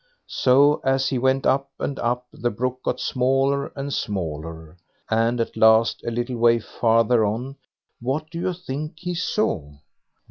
So, as he went up and up, the brook got smaller and smaller, and at last, a little way farther on, what do you think he saw?